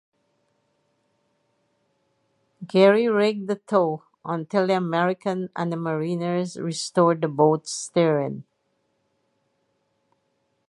Gary rigged a tow until the Americans and the mariners restored the boat's steering.